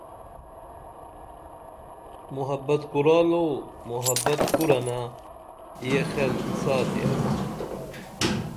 محبت کُرالو محبت کُرنہ یہ خیال ساتیہ